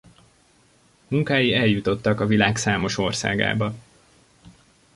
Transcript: Munkái eljutottak a világ számos országába.